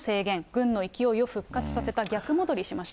軍の勢いを復活させた、逆戻りしました。